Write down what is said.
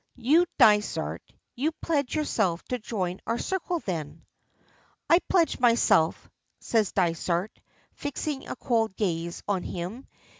You, Dysart, you pledge yourself to join our circle then?" "I pledge myself," says Dysart, fixing a cold gaze on him.